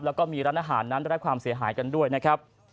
แล้วก็มีร้านอาหารนั้นได้รับความเสียหายกันด้วยนะครับ